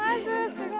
すごい。